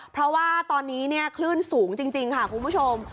เพราะว่าตอนนี้คลื่นสูงจริงค่ะคุณผู้ชม